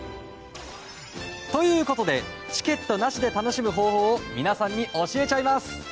ということで、チケットなしで楽しむ方法を皆さんに教えちゃいます。